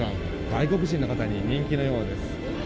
外国人の方に人気のようです。